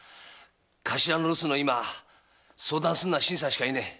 頭の留守の今相談すんのは新さんしか居ねえ。